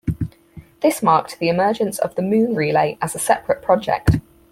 This marked the emergence of the Moon Relay as a separate project.